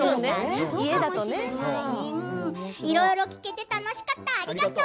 いろいろ聞けて楽しかったありがとう。